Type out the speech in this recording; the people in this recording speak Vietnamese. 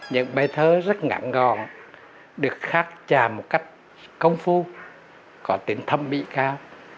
những bài thơ rất ngạc ngòn được khát trà một cách công phu có tính thâm mỹ khác